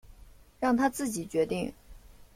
让他自己决定